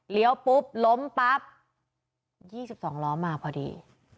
เลี้ยวปุ๊บล้มปั๊บยี่สิบสองล้อมาพอดี